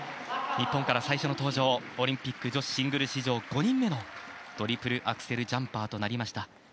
日本から最初の登場オリンピック女子シングル史上５人目のトリプルアクセルジャンパーとなりました。